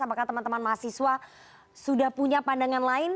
apakah teman teman mahasiswa sudah punya pandangan lain